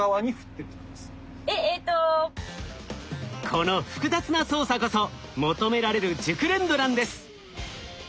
この複雑な操作こそ求められる熟練度なんです。